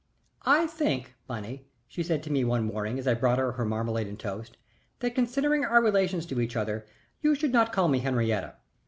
"I think, Bunny," she said to me one morning as I brought her marmalade and toast, "that considering our relations to each other you should not call me Henrietta.